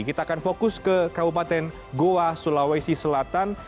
kita akan fokus ke kabupaten goa sulawesi selatan